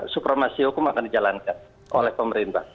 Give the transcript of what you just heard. supremasi hukum akan dijalankan oleh pemerintah